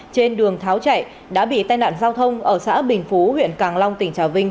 trên đường tháo chạy đã bị tai nạn giao thông ở xã bình phú huyện càng long tỉnh trà vinh